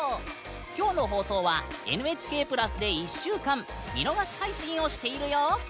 きょうの放送はＮＨＫプラスで１週間見逃し配信をしているよ！